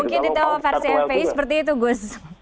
mungkin ditawa versi fpi seperti itu gus